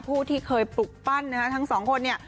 ผู้ที่เคยปลุกปั้นทั้งสองคน